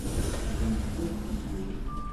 Xdem cwiṭ seg wul.